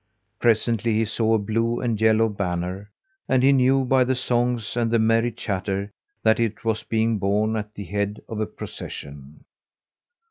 Presently he saw a blue and yellow banner, and he knew by the songs and the merry chatter that it was being borne at the head of a procession.